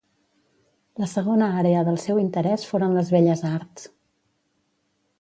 La segona àrea del seu interès foren les belles arts.